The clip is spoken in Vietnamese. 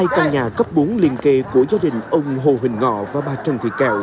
hai căn nhà cấp bốn liên kề của gia đình ông hồ huỳnh ngọ và bà trần thị kẹo